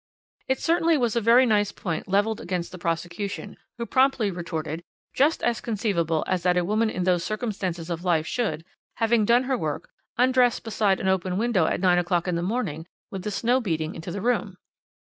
It certainly was a very nice point levelled against the prosecution, who promptly retorted: Just as conceivable as that a woman in those circumstances of life should, having done her work, undress beside an open window at nine o'clock in the morning with the snow beating into the room.